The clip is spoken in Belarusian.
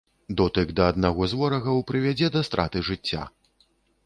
Дотык да аднаго з ворагаў прывядзе да страты жыцця.